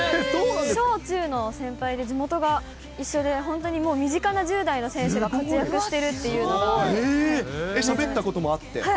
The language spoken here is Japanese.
小中の先輩で、地元が一緒で本当にもう身近な１０代の選手が活躍しているといしゃべったこともあって？